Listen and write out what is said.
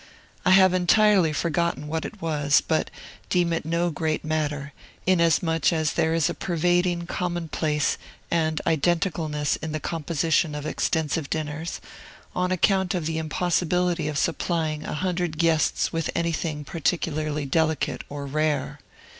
I have entirely forgotten what it was, but deem it no great matter, inasmuch as there is a pervading commonplace and identicalness in the composition of extensive dinners, on account of the impossibility of supplying a hundred guests with anything particularly delicate or rare.